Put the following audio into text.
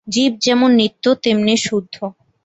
জীব যেমন নিত্য, তেমনি শুদ্ধ।